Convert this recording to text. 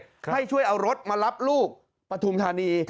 ให้ช่วยเอารถมารับลูกปฐุมธานี